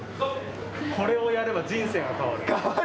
これをやれば人生が変わる。